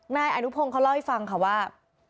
นายอนุพงศ์เขาเล่าให้ฟังค่ะว่า